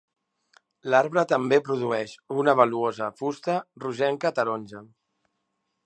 L'arbre també produeix una valuosa fusta rogenca-taronja.